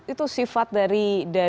itu sifat dari